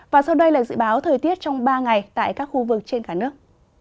và sau đây là dự báo thời tiết trong ba ngày tại các khu vực trên cả nước